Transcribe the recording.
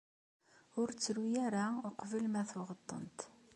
Ur ttru ara uqbel ma tuɣeḍ-tent.